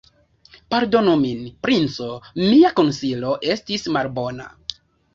Pardonu min, princo: Mia konsilo estis malbona.